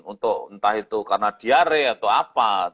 untuk entah itu karena diare atau apa